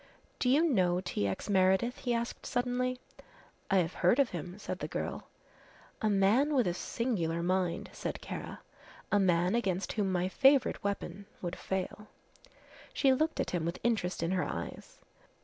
"Do you know T. X. Meredith?" he asked suddenly. "I have heard of him," said the girl. "A man with a singular mind," said Kara; "a man against whom my favourite weapon would fail." She looked at him with interest in her eyes.